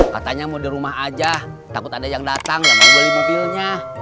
katanya mau di rumah aja takut ada yang datang ya mau beli mobilnya